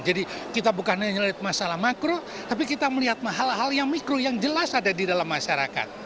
jadi kita bukan hanya melihat masalah makro tapi kita melihat hal hal yang mikro yang jelas ada di dalam masyarakat